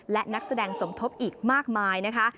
และนักแสดงสมทบอีกมากมายนะคะ